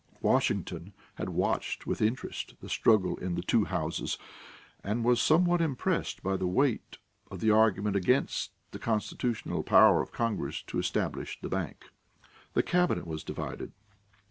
Washington had watched with interest the struggle in the two houses, and was somewhat impressed by the weight of the argument against the constitutional power of Congress to establish the bank. The cabinet was divided.